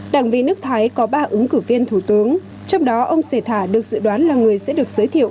đảng vi nước thái có ba ứng cử viên thủ tướng trong đó ông xê thả được dự đoán là người sẽ được giới thiệu